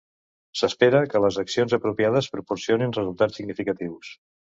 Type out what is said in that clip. S'espera que les accions apropiades proporcionin resultats significatius.